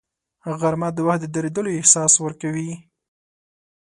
غرمه د وخت د درېدلو احساس ورکوي